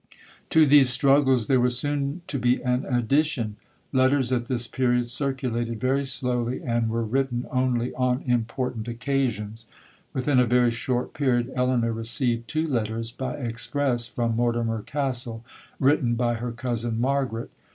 'To these struggles there was soon to be an addition. Letters at this period circulated very slowly, and were written only on important occasions. Within a very short period, Elinor received two letters by express from Mortimer Castle, written by her cousin Margaret.